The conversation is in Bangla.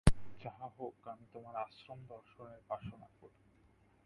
যাহা হউক, আমি তোমার আশ্রমদর্শনের বাসনা করি।